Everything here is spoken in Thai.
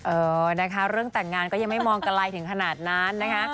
เออนะคะเรื่องแต่งงานก็ยังไม่มองกันไกลถึงขนาดนั้นนะคะ